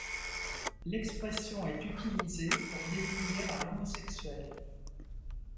L'expression est utilisée pour désigner un homosexuel.